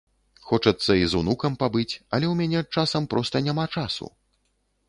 Хочацца і з унукам пабыць, але ў мяне часам проста няма часу.